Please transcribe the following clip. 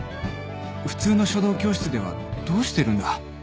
普通の書道教室ではどうしてるんだ？